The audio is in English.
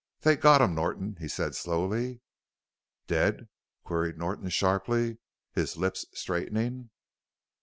"They got him, Norton," he said slowly. "Dead?" queried Norton sharply, his lips straightening.